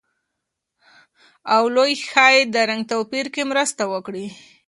اولو ښايي د رنګ توپیر کې مرسته وکړي.